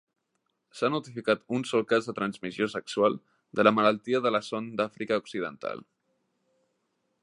S'ha notificat un sol cas de transmissió sexual de la malaltia de la son d'Àfrica occidental.